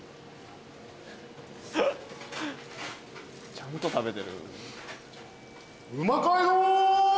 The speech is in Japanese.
ちゃんと食べてる。